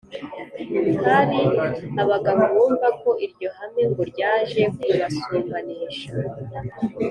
Hari abagabo bumva ko iryo hame ngo ryaje kubasumbanisha